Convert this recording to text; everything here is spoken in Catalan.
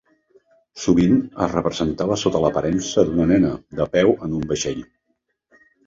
Sovint es representava sota l'aparença d'una nena de peu en un vaixell.